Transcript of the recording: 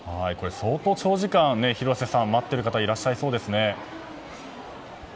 相当、長時間、待ってる方いらっしゃりそうですね。